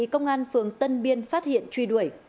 công an phường tân biên phát hiện truy đuổi